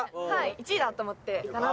１位だと思って。